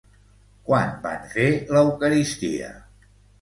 Quan van fer l'eucaristia?